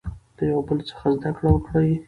له یو بل څخه زده کړه وکړئ.